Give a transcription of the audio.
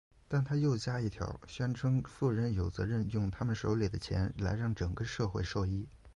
但他又加一条宣称富人有责任用他们手里的钱来让整个社会受益。